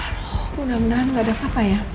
mudah mudahan gak ada apa apa ya